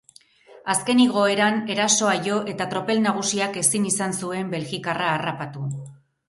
Azken igoeran erasoa jo eta tropel nagusiak ezin izan zuen belgikarra harrapatu.